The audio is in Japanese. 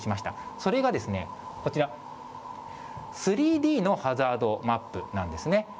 それがですね、こちら、３Ｄのハザードマップなんですね。